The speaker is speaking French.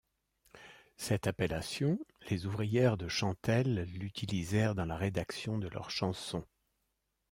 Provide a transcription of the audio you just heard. Cette appellation, les ouvrières de Chantelle l'utilisèrent dans la rédaction de leurs chansons.